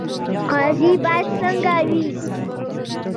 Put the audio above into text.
قاضي باید څنګه وي؟